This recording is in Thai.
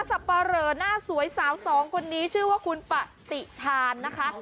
สับปะเหลอหน้าสวยสาวสองคนนี้ชื่อว่าคุณปะติธานนะคะ